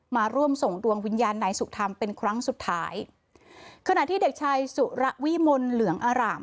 มาร่วมส่งดวงวิญญาณนายสุธรรมเป็นครั้งสุดท้ายขณะที่เด็กชายสุระวิมลเหลืองอร่าม